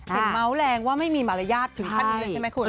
เมาส์แรงว่าไม่มีมารยาทถึงขั้นนี้เลยใช่ไหมคุณ